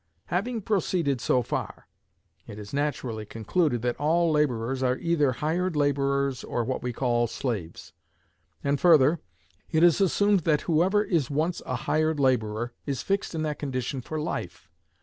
Having proceeded so far, it is naturally concluded that all laborers are either hired laborers or what we call slaves. And further, it is assumed that whoever is once a hired laborer is fixed in that condition for life.